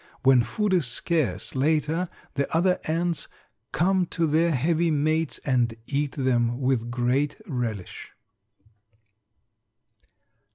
When food is scarce later the other ants come to their heavy mates and eat them with great relish.